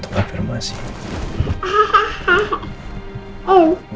terima kasih juga